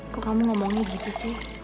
kok kamu ngomongnya gitu sih